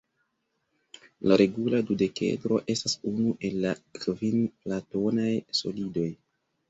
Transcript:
La regula dudekedro estas unu el la kvin platonaj solidoj.